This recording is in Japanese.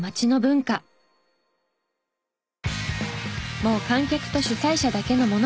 もう観客と主催者だけのものじゃない。